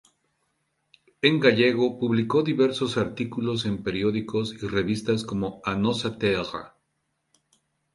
En gallego publicó diversos artículos en periódicos y revistas como "A Nosa Terra".